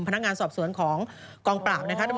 พนักงานสอบสวนของกองปราบนะครับ